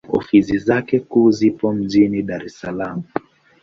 Ofisi zake kuu zipo mjini Dar es Salaam.